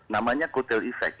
namanya kuatal efek